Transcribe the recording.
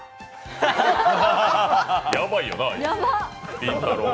やばいよな、りんたろー。